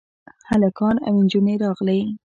هلکان او نجونې راغلې.